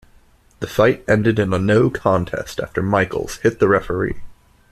The fight ended in a no contest after Michaels hit the referee.